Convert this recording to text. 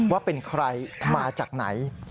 ว่าเป็นใครมาจากไหน